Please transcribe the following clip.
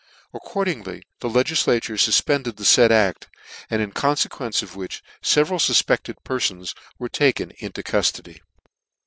Accordingly the legiflature fufpended the faid act ; in confequence of which feveral fufpected perfons were taken into cuilody.